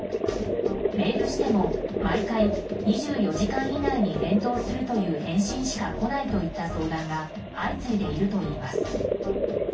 メールしても毎回２４時間以内に返答するという返信しか来ないといった相談が相次いでいるといいます。